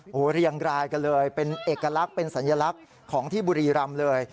โอ้โหเรียงรายกันเลยเป็นเอกลักษณ์เป็นสัญลักษณ์ของที่บุรีรำเลย